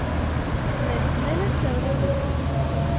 Miss Minnesota Neill.